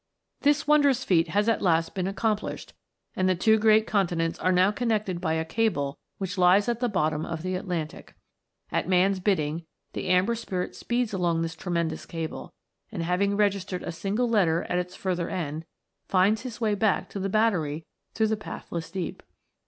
This wondrous feat has at last been accomplished, and the two great Continents are now connected by a cable which lies at the bottom of the Atlantic. At Man's bidding the Amber Spirit speeds along this tremendous cable, and having registered a single letter at its further end, finds his way back to the battery through the pathless deep.